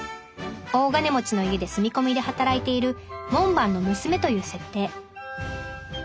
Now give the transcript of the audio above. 大金持ちの家で住み込みで働いている門番の娘という設定。